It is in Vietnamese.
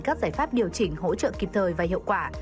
các giải pháp điều chỉnh hỗ trợ kịp thời và hiệu quả